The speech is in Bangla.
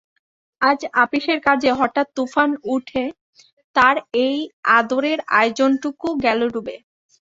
আজ আপিসের কাজে হঠাৎ তুফান উঠে তার এই আদরের আয়োজনটুকু গেল ডুবে।